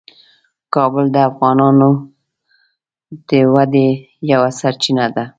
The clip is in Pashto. کابل د افغانانو د ودې یوه سرچینه ده.